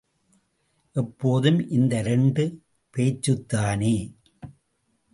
எப்போதும் இந்த இரண்டு பேச்சுத்தானே.